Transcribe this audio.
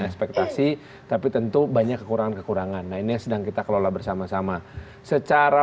ekspektasi tapi tentu banyak kekurangan kekurangan lainnya sedang kita kelola bersama sama secara